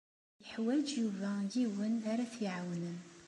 Yuḥwaǧ Yuba yiwen ara t-iɛawnen.